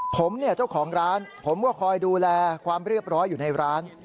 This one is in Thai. ผมเนี่ยเจ้าของร้านผมก็คอยดูแลความเรียบร้อยอยู่ในร้าน